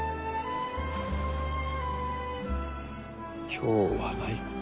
今日はないか。